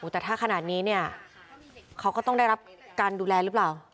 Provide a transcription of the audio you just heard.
แต่ถ้าขนาดนี้เนี่ยเขาก็ต้องได้รับการดูแลหรือเปล่า